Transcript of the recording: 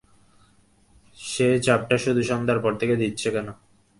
সেই চাপটা শুধু সন্ধার পর থেকে দিচ্ছে কেন?